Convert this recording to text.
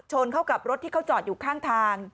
เข้ากับรถที่เขาจอดอยู่ข้างทาง